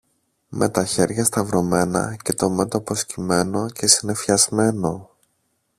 με τα χέρια σταυρωμένα και το μέτωπο σκυμμένο και συννεφιασμένο